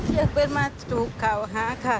อยากเป็นมาสูบเขาฮะค่ะ